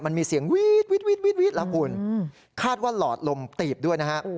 มันมีเสียงวีดแล้วคุณคาดว่าหลอดลมตีบด้วยนะฮะ